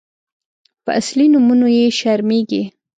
_په اصلي نومونو يې شرمېږي.